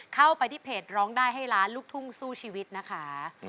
เข้าไปที่เพจร้องได้ให้ล้านลูกทุ่งสู้ชีวิตนะคะ